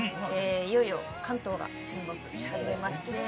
いよいよ関東が沈没し始めまして